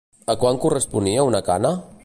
A quan corresponia una cana?